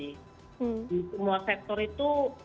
di semua sektor itu